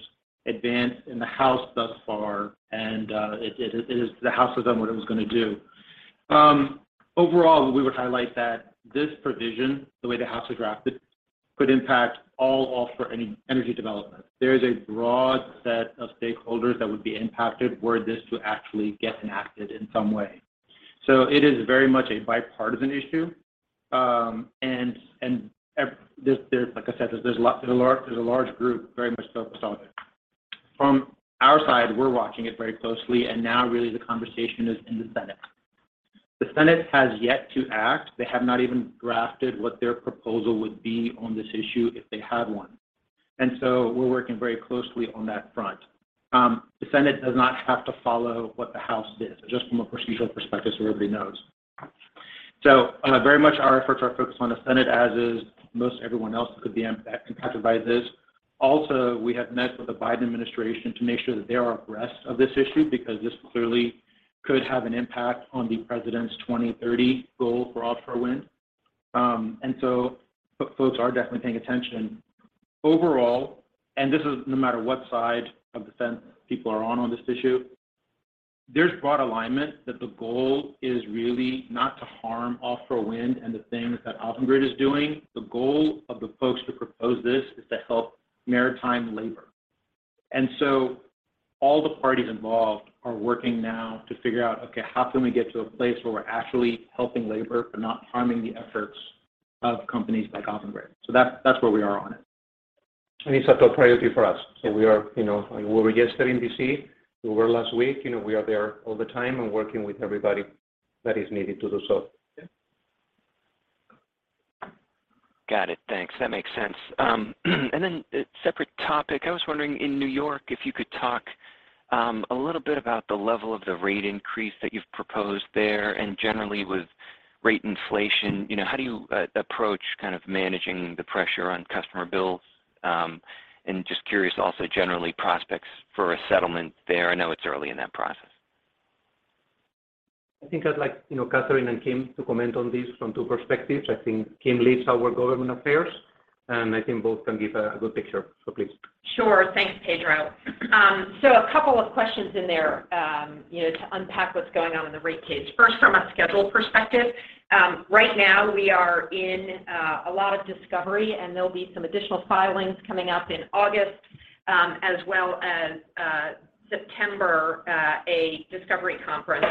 S9: advanced in the House thus far, and it is, the House has done what it was gonna do. Overall, we would highlight that this provision, the way the House has drafted, could impact all offshore energy development. There is a broad set of stakeholders that would be impacted were this to actually get enacted in some way. So it is very much a bipartisan issue, and there's, like I said, a large group very much focused on it. From our side, we're watching it very closely, and now really the conversation is in the Senate. The Senate has yet to act. They have not even drafted what their proposal would be on this issue if they had one, and so we're working very closely on that front. The Senate does not have to follow what the House does, just from a procedural perspective, so everybody knows. Very much our efforts are focused on the Senate, as is most everyone else that could be impacted by this. Also, we have met with the Biden administration to make sure that they are abreast of this issue because this clearly could have an impact on the president's 2030 goal for offshore wind. Folks are definitely paying attention. Overall, this is no matter what side of the fence people are on on this issue, there's broad alignment that the goal is really not to harm offshore wind and the things that Avangrid is doing. The goal of the folks to propose this is to help maritime labor. All the parties involved are working now to figure out, okay, how can we get to a place where we're actually helping labor, but not harming the efforts of companies like Avangrid? That's where we are on it.
S3: It's a top priority for us. We are, you know, we were yesterday in D.C., we were last week. You know, we are there all the time and working with everybody that is needed to do so.
S9: Yeah.
S8: Got it. Thanks. That makes sense. A separate topic, I was wondering in New York, if you could talk a little bit about the level of the rate increase that you've proposed there, and generally with rate inflation. You know, how do you approach kind of managing the pressure on customer bills? Just curious also generally prospects for a settlement there. I know it's early in that process.
S3: I think I'd like, you know, Catherine and Kim to comment on this from two perspectives. I think Kim leads our Government Affairs, and I think both can give a good picture. Please.
S7: Sure. Thanks, Pedro. A couple of questions in there, you know, to unpack what's going on in the rate case. First, from a schedule perspective, right now we are in a lot of discovery, and there'll be some additional filings coming up in August, as well as September, a discovery conference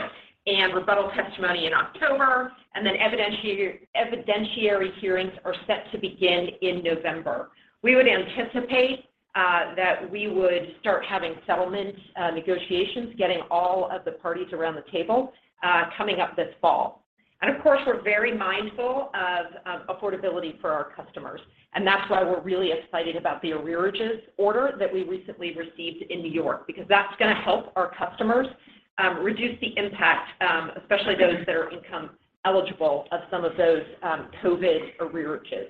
S7: and rebuttal testimony in October, and then evidentiary hearings are set to begin in November. We would anticipate that we would start having settlement negotiations, getting all of the parties around the table, coming up this fall. Of course, we're very mindful of affordability for our customers, and that's why we're really excited about the arrearages order that we recently received in New York, because that's gonna help our customers reduce the impact, especially those that are income eligible of some of those COVID arrearages.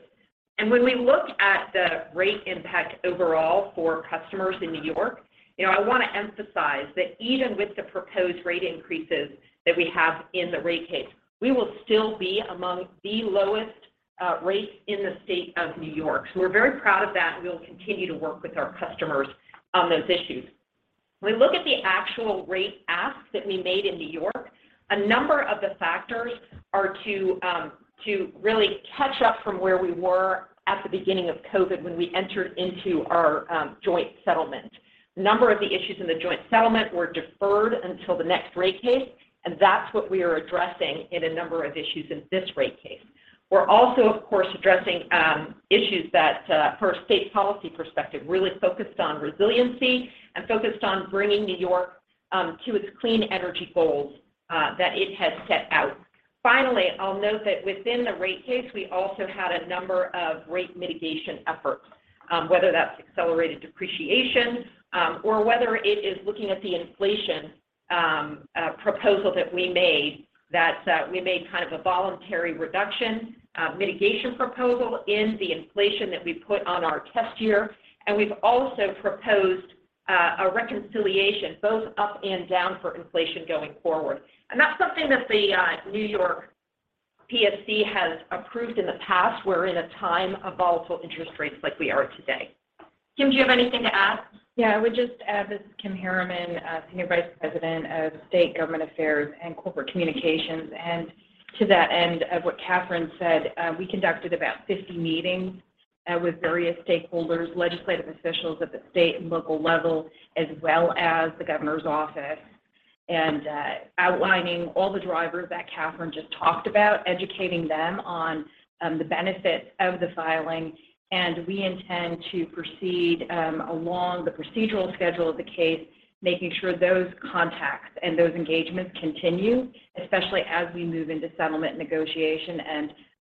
S7: When we look at the rate impact overall for customers in New York, you know, I wanna emphasize that even with the proposed rate increases that we have in the rate case, we will still be among the lowest Rates in the state of New York. We're very proud of that, and we'll continue to work with our customers on those issues. When we look at the actual rate asks that we made in New York, a number of the factors are to really catch up from where we were at the beginning of COVID when we entered into our joint settlement. A number of the issues in the joint settlement were deferred until the next rate case, and that's what we are addressing in a number of issues in this rate case. We're also, of course, addressing issues that, for a state policy perspective, really focused on resiliency and focused on bringing New York to it's clean energy goals that it has set out. Finally, I'll note that within the rate case, we also had a number of rate mitigation efforts, whether that's accelerated depreciation, or whether it is looking at the inflation proposal that we made kind of a voluntary reduction, mitigation proposal in the inflation that we put on our test year. We've also proposed a reconciliation both up and down for inflation going forward. That's something that the New York PSC has approved in the past, where in a time of volatile interest rates like we are today. Kim, do you have anything to add?
S10: Yeah, I would just add, this is Kim Harriman, Senior Vice President of State Government Affairs and Corporate Communications. To that end of what Catherine said, we conducted about 50 meetings with various stakeholders, legislative officials at the state and local level, as well as the Governor's office, outlining all the drivers that Catherine just talked about, educating them on the benefits of the filing. We intend to proceed along the procedural schedule of the case, making sure those contacts and those engagements continue, especially as we move into settlement negotiation.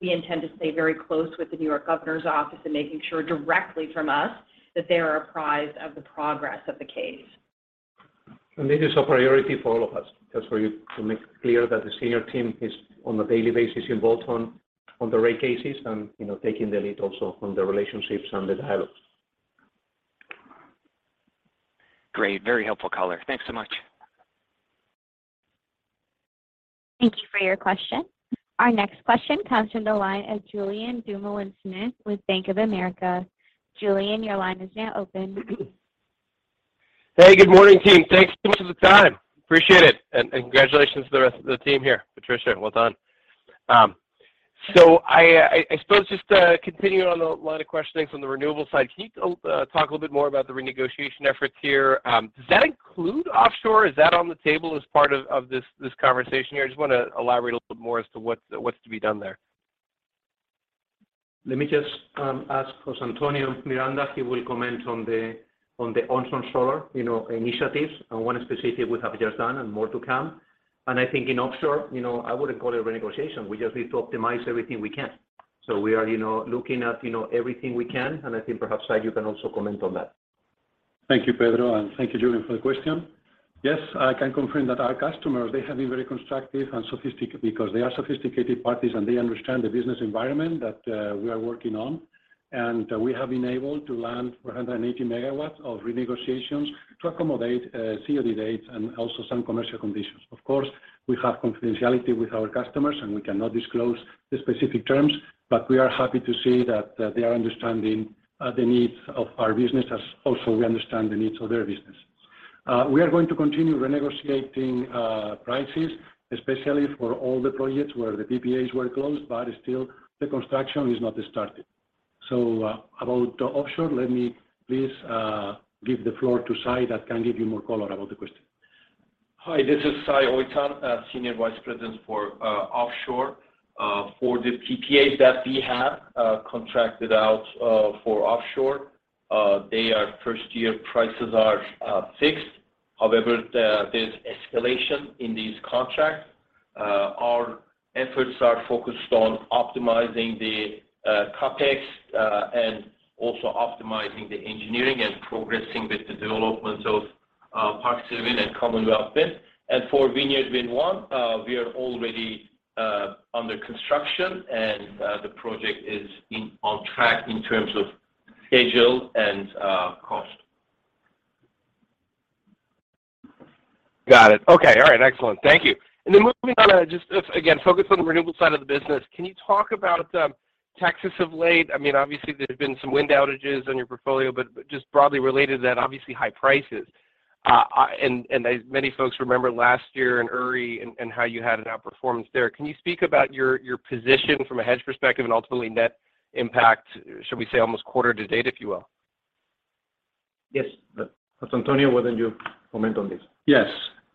S10: We intend to stay very close with the New York Governor's office in making sure directly from us that they are apprised of the progress of the case.
S3: This is a priority for all of us. Just for you to make clear that the senior team is on a daily basis involved on the rate cases and, you know, taking the lead also on the relationships and the dialogues.
S8: Great. Very helpful color. Thanks so much.
S1: Thank you for your question. Our next question comes from the line of Julien Dumoulin-Smith with Bank of America. Julien, your line is now open.
S11: Hey, good morning, team. Thanks so much for the time. Appreciate it. Congratulations to the rest of the team here. Patricia, well done. I suppose just continuing on the line of questioning from the renewable side, can you talk a little bit more about the renegotiation efforts here? Does that include offshore? Is that on the table as part of this conversation here? I just want to elaborate a little bit more as to what's to be done there.
S3: Let me just ask José Antonio Miranda. He will comment on the onshore and solar, you know, initiatives and what specifically we have just done and more to come. I think in offshore, you know, I wouldn't call it a renegotiation. We just need to optimize everything we can. We are, you know, looking at, you know, everything we can, and I think perhaps Sy Oytan, you can also comment on that.
S12: Thank you, Pedro, and thank you, Julien, for the question. Yes, I can confirm that our customers, they have been very constructive and because they are sophisticated parties, and they understand the business environment that we are working on. We have been able to land 180 megawatts of renegotiations to accommodate COD dates and also some commercial conditions. Of course, we have confidentiality with our customers, and we cannot disclose the specific terms, but we are happy to see that they are understanding the needs of our business as also we understand the needs of their business. We are going to continue renegotiating prices, especially for all the projects where the PPAs were closed, but still the construction is not started. About the offshore, let me please give the floor to Sy that can give you more color about the question.
S13: Hi, this is Sy Oytan, Senior Vice President for offshore. For the PPAs that we have contracted out for offshore, the first-year prices are fixed. However, there's escalation in these contracts. Our efforts are focused on optimizing the CapEx and also optimizing the engineering and progressing with the developments of Park City Wind and Commonwealth Wind. For Vineyard Wind 1, we are already under construction and the project is on track in terms of schedule and cost.
S11: Got it. Okay. All right, excellent. Thank you. Moving on, just again, focus on the renewable side of the business. Can you talk about Texas of late? I mean, obviously there have been some wind outages on your portfolio, but just broadly related to that, obviously high prices. And as many folks remember last year in Uri and how you had an outperformance there. Can you speak about your position from a hedge perspective and ultimately net impact, should we say almost quarter-to-date, if you will?
S3: Yes. Antonio, why don't you comment on this?
S12: Yes.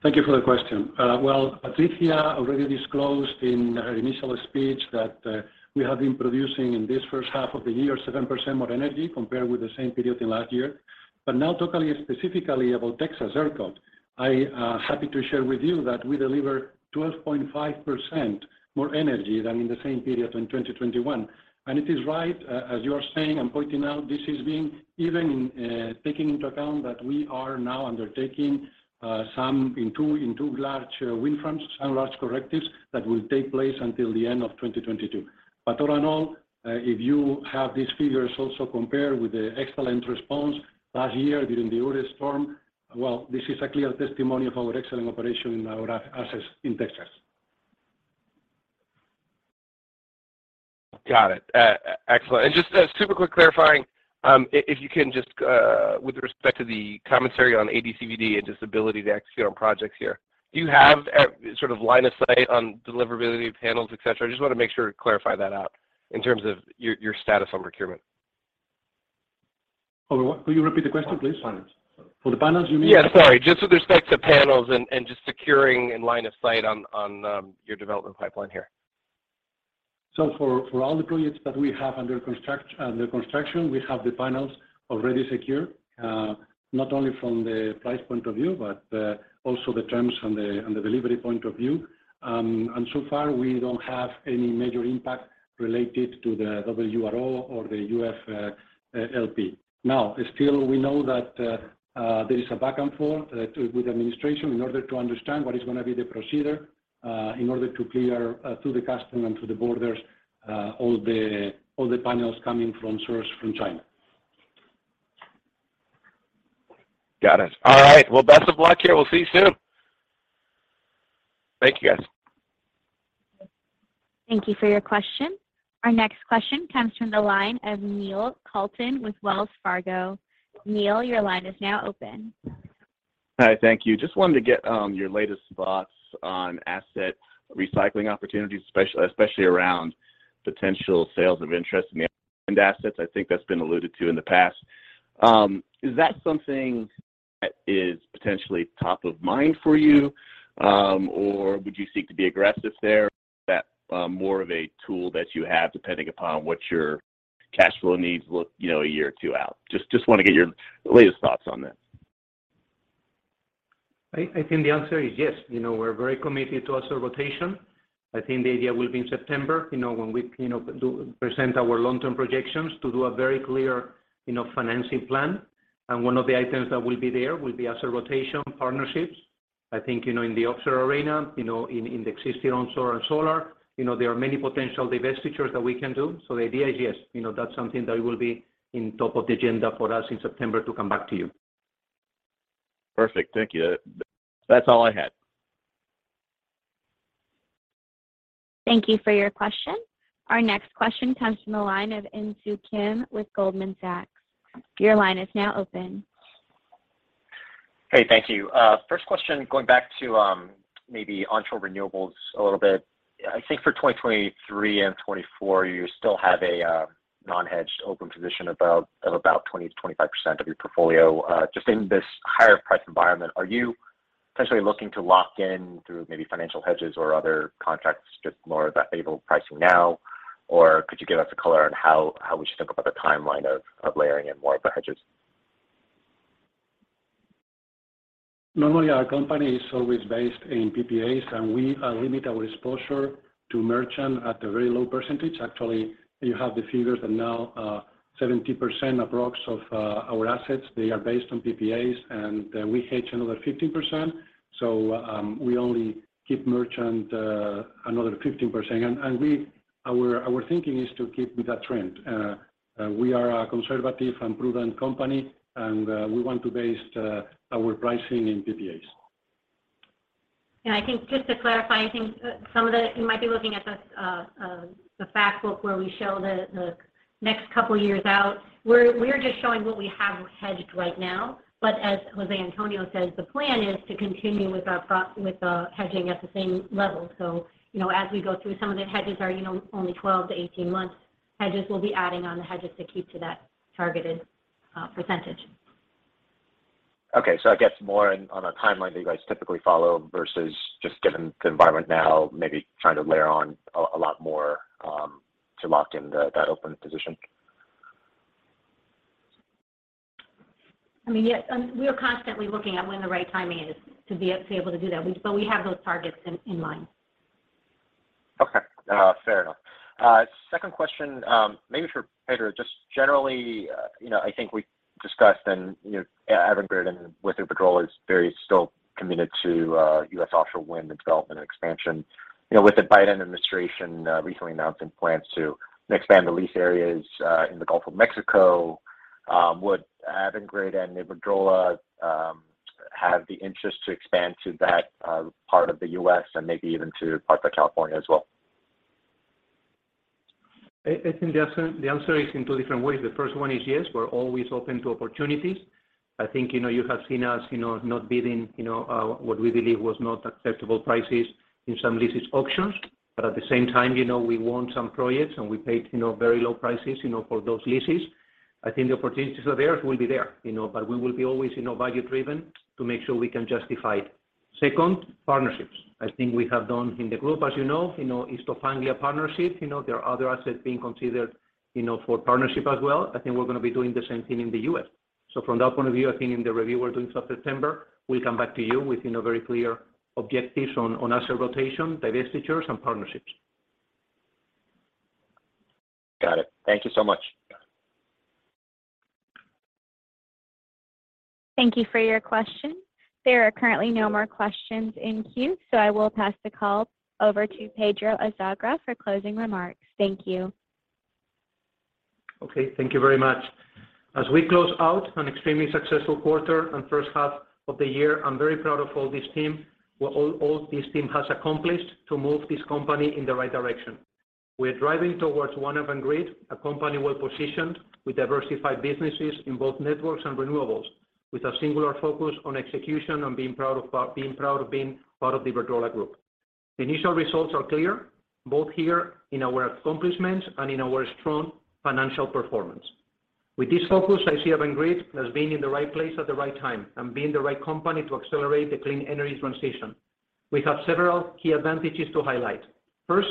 S12: Thank you for the question. Well, Patricia already disclosed in her initial speech that we have been producing in this H1 of the year 7% more energy compared with the same period in last year. Now talking specifically about Texas ERCOT, I'm happy to share with you that we deliver 12.5% more energy than in the same period in 2021. It is right, as you are saying and pointing out, this is even taking into account that we are now undertaking some maintenance on two large wind farms and large corrective maintenance that will take place until the end of 2022. All in all, if you have these figures also compared with the excellent response last year during the Uri storm. Well, this is a clear testimony of our excellent operation in our assets in Texas.
S11: Got it. Excellent. Just a super quick clarifying, if you can just, with respect to the commentary on AD/CVD and just ability to execute on projects here. Do you have a sort of line of sight on deliverability of panels, et cetera? I just wanna make sure to clarify that out in terms of your status on procurement.
S3: Over what? Will you repeat the question, please?
S11: Panels.
S3: For the panels, you mean?
S11: Yeah, sorry. Just with respect to panels and just securing in line of sight on your development pipeline here.
S3: For all the projects that we have under construction, we have the panels already secured, not only from the price point of view, but also the terms and the delivery point of view. So far, we don't have any major impact related to the WRO or the USLP. Still we know that there is a back and forth with administration in order to understand what is gonna be the procedure in order to clear through the customs and through the borders all the panels sourced from China.
S11: Got it. All right. Well, best of luck here. We'll see you soon. Thank you, guys.
S1: Thank you for your question. Our next question comes from the line of Neil Kalton with Wells Fargo. Neil, your line is now open.
S14: Hi. Thank you. Just wanted to get your latest thoughts on asset recycling opportunities, especially around potential sales of interest in the assets. I think that's been alluded to in the past. Is that something that is potentially top of mind for you? Or would you seek to be aggressive there? Is that more of a tool that you have depending upon what your cash flow needs look, you know, a year or two out? Just wanna get your latest thoughts on that.
S3: I think the answer is yes. You know, we're very committed to asset rotation. I think the idea will be in September, you know, when we, you know, present our long-term projections to do a very clear, you know, financing plan. One of the items that will be there will be asset rotation, partnerships. I think, you know, in the offshore arena, you know, in the existing onshore and solar, you know, there are many potential divestitures that we can do. The idea is, yes, you know, that's something that will be at the top of the agenda for us in September to come back to you.
S14: Perfect. Thank you. That's all I had.
S1: Thank you for your question. Our next question comes from the line of Insoo Kim with Goldman Sachs. Your line is now open.
S15: Hey. Thank you. First question, going back to maybe onshore renewables a little bit. I think for 2023 and 2024, you still have a non-hedged open position of about 20%-25% of your portfolio. Just in this higher price environment, are you potentially looking to lock in through maybe financial hedges or other contracts, just more of that favorable pricing now? Or could you give us a color on how we should think about the timeline of layering in more of the hedges?
S12: Normally, our company is always based in PPAs, and we limit our exposure to merchant at a very low percentage. Actually, you have the figures that now 70% approx of our assets they are based on PPAs, and we hedge another 15%. We only keep merchant another 15%. Our thinking is to keep with that trend. We are a conservative and prudent company, and we want to base our pricing in PPAs.
S4: I think just to clarify, I think you might be looking at the fact book where we show the next couple years out. We're just showing what we have hedged right now. As José Antonio says, the plan is to continue with our hedging at the same level. You know, as we go through, some of the hedges are you know only 12-18 months hedges. We'll be adding on the hedges to keep to that targeted percentage.
S15: I guess more on a timeline that you guys typically follow versus just given the environment now, maybe trying to layer on a lot more to lock in that open position.
S4: I mean, yes, we are constantly looking at when the right timing is to be able to do that. But we have those targets in mind.
S15: Okay. Fair enough. Second question, maybe for Pedro. Just generally, you know, I think we discussed and, you know, Avangrid and with Iberdrola is still very committed to U.S. offshore wind and development and expansion. You know, with the Biden administration recently announcing plans to expand the lease areas in the Gulf of Mexico, would Avangrid and Iberdrola have the interest to expand to that part of the U.S. and maybe even to parts of California as well?
S3: I think the answer is in two different ways. The first one is, yes, we're always open to opportunities. I think, you know, you have seen us, you know, not bidding, you know, what we believe was not acceptable prices in some lease auctions. But at the same time, you know, we won some projects, and we paid, you know, very low prices, you know, for those leases. I think the opportunities are there, will be there, you know. But we will be always, you know, value-driven to make sure we can justify it. Second, partnerships. I think we have done in the group, as you know, you know, East Anglia partnership. You know, there are other assets being considered, you know, for partnership as well. I think we're gonna be doing the same thing in the US. From that point of view, I think in the review we're doing for September, we'll come back to you with, you know, very clear objectives on asset rotation, divestitures, and partnerships.
S15: Got it. Thank you so much.
S1: Thank you for your question. There are currently no more questions in queue, so I will pass the call over to Pedro Azagra for closing remarks. Thank you.
S3: Okay, thank you very much. As we close out an extremely successful quarter and H1 of the year, I'm very proud of what all this team has accomplished to move this company in the right direction. We're driving towards one Avangrid, a company well-positioned with diversified businesses in both networks and renewables, with a singular focus on execution and being proud of being part of the Iberdrola Group. The initial results are clear, both here in our accomplishments and in our strong financial performance. With this focus, I see Avangrid as being in the right place at the right time and being the right company to accelerate the clean energy transition. We have several key advantages to highlight. First,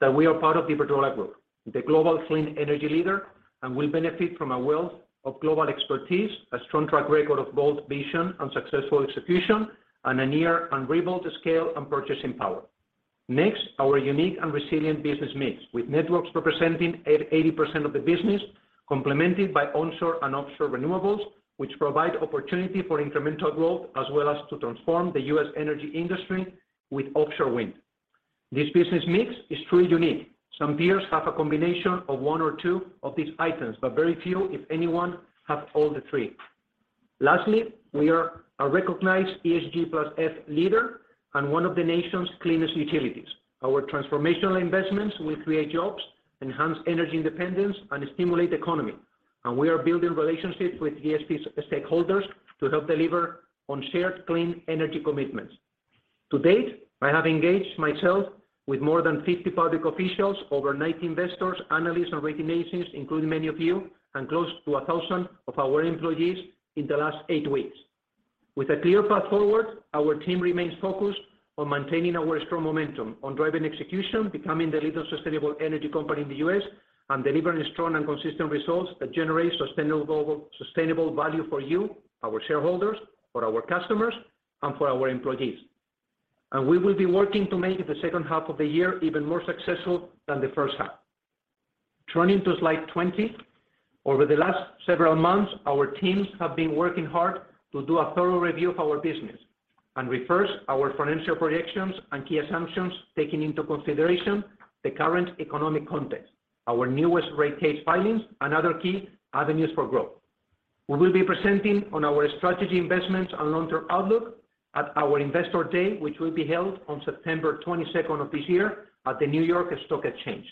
S3: that we are part of the Iberdrola Group, the global clean energy leader, and will benefit from a wealth of global expertise, a strong track record of bold vision and successful execution, and a near unrivaled scale and purchasing power. Next, our unique and resilient business mix, with networks representing 80% of the business, complemented by onshore and offshore renewables, which provide opportunity for incremental growth, as well as to transform the U.S. energy industry with offshore wind. This business mix is truly unique. Some peers have a combination of one or two of these items, but very few, if anyone, have all the three. Lastly, we are a recognized ESG+F leader and one of the nation's cleanest utilities. Our transformational investments will create jobs, enhance energy independence, and stimulate the economy. We are building relationships with ESG stakeholders to help deliver on shared clean energy commitments. To date, I have engaged myself with more than 50 public officials, over 90 investors, analysts, and rating agencies, including many of you, and close to 1,000 of our employees in the last 8 weeks. With a clear path forward, our team remains focused on maintaining our strong momentum on driving execution, becoming the leading sustainable energy company in the US, and delivering strong and consistent results that generate sustainable value for you, our shareholders, for our customers, and for our employees. We will be working to make the H2 of the year even more successful than the H1. Turning to Slide 20. Over the last several months, our teams have been working hard to do a thorough review of our business and reverse our financial projections and key assumptions, taking into consideration the current economic context, our newest rate case filings, and other key avenues for growth. We will be presenting on our strategy investments and long-term outlook at our Investor Day, which will be held on September 22nd of this year at the New York Stock Exchange.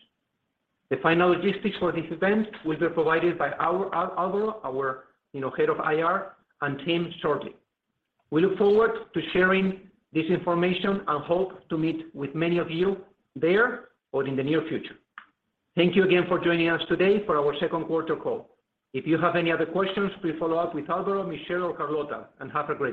S3: The final logistics for this event will be provided by Álvaro, our, you know, Head of IR, and team shortly. We look forward to sharing this information and hope to meet with many of you there or in the near future. Thank you again for joining us today for our Q2 call. If you have any other questions, please follow up with Álvaro, Michelle, or Carlota, and have a great day.